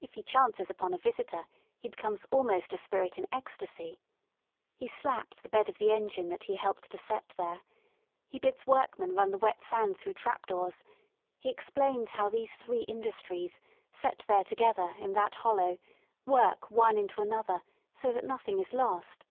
If he chances upon a visitor he becomes almost a spirit in ecstasy. He slaps the bed of the engine that he helped to set there, he lOO WORK IN LONDON bids workmen run the wet sand through trap doors, he explains how these three industries, set there to gether in that hollow, work one into another so that nothing is lost.